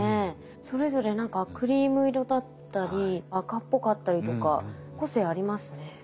それぞれ何かクリーム色だったり赤っぽかったりとか個性ありますね。